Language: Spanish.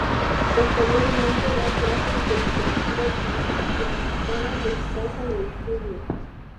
Posteriormente da clases de Literatura Chilena y Americana de su casa de estudios.